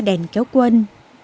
cái đèn kéo quân